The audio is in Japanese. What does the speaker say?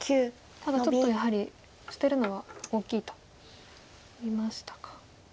ただちょっとやはり捨てるのは大きいと見ましたか。